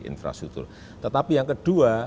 infrastruktur tetapi yang kedua